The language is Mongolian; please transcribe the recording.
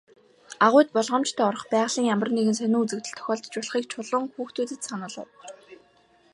Агуйд болгоомжтой орох, байгалийн ямар нэгэн сонин үзэгдэл тохиолдож болохыг Чулуун хүүхдүүдэд сануулав.